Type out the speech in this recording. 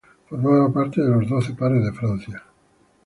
Formaba parte de los Doce Pares de Francia.